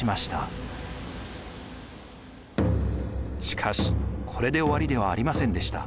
しかしこれで終わりではありませんでした。